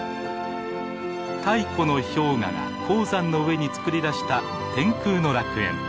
太古の氷河が高山の上に作りだした天空の楽園。